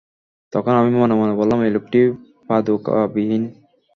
তখন আমি মনে মনে বললাম, এ লোকটি পাদুকাবিহীন।